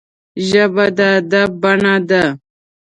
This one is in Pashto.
ژبه د ادب بڼه ده